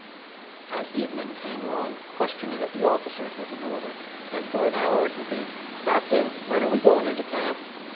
As evening came on, questioning of the officers was in order, and for an hour it would be, "Captain, when are we going into camp?"